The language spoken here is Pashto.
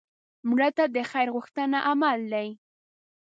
مړه ته د خیر غوښتنه عمل دی